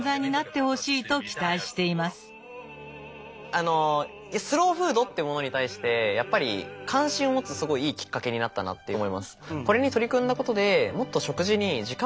あのスローフードってものに対してやっぱり関心を持つすごいいいきっかけになったなって思います。